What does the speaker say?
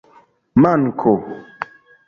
manko